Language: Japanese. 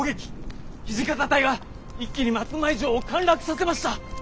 土方隊が一気に松前城を陥落させました。